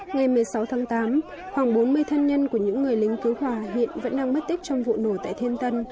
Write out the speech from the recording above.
ngày một mươi sáu tháng tám khoảng bốn mươi thân nhân của những người lính cứu hỏa hiện vẫn đang mất tích trong vụ nổ tại thiên tân